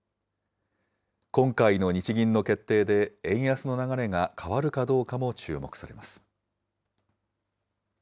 今回の日銀の決定で、円安の流れが変わるかどうかも注目されます。